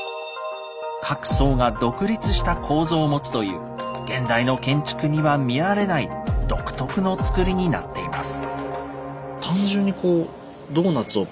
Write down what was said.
各層が独立した構造を持つという現代の建築には見られない独特のつくりになっています。